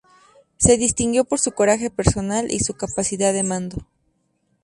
Se distinguió por su coraje personal y su capacidad de mando.